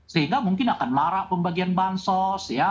sehingga mungkin akan marah pembagian bansos ya